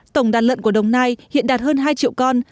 tổng đàn lợn của đồng nai hiện đạt hơn hai triệu con